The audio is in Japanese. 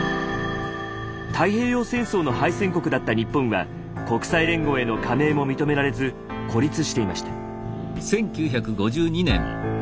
太平洋戦争の敗戦国だった日本は国際連合への加盟も認められず孤立していました。